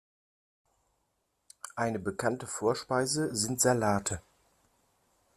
Eine bekannte Vorspeise sind Salate.